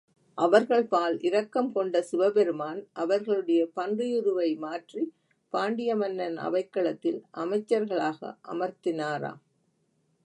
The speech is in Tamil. அவர்கள் பால் இரக்கம் கொண்ட சிவபெருமான் அவர்களுடைய பன்றியுருவை மாற்றி, பாண்டிய மன்னன் அவைக்களத்தில் அமைச்சர்களாக அமர்த்தினாராம்.